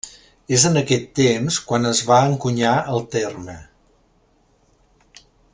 És en aquest temps quan es va encunyar el terme.